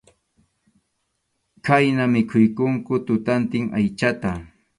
Khayna mikhuykunku tutantin aychata.